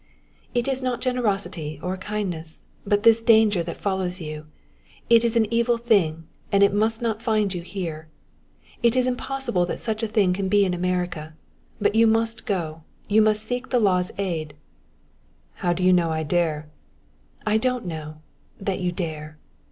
"It is not generosity or kindness, but this danger that follows you it is an evil thing and it must not find you here. It is impossible that such a thing can be in America. But you must go you must seek the law's aid " "How do you know I dare " "I don't know that you dare!"